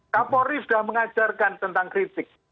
kapolri sudah mengajarkan tentang kritik